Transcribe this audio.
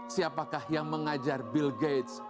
siapakah yang mengajar bill gates